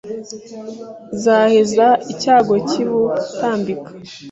Zaheza icyago cy'i Butambika